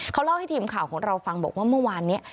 เขาเล่าให้ทีมข่าวของเราฟังบอกว่าเมื่อวานนี้